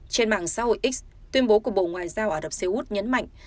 trên mạng xã hội x tuyên bố của bộ ngoại giao ả rập xê út nhấn mạnh